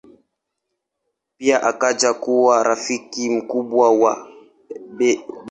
Pia akaja kuwa rafiki mkubwa wa Bw.